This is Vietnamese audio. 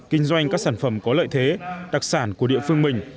kinh doanh các sản phẩm có lợi thế đặc sản của địa phương mình